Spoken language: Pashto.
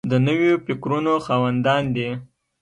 د نویو فکرونو خاوندان دي.